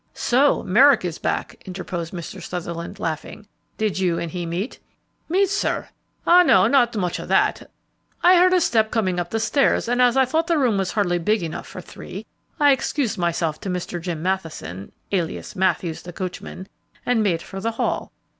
"So Merrick is back!" interposed Mr. Sutherland, laughing. "Did you and he meet?" "Meet, sir? Ah, no, not much o' that! I heard a step coming up the stairs, and as I thought the room was hardly big enough for three, I excused myself to Mr. Jim Matheson alias Matthews, the coachman and made for the hall.